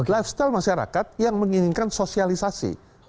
lifestyle masyarakat yang menginginkan sosialisasi